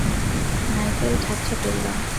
Nigel, ঠাট্টা করলাম।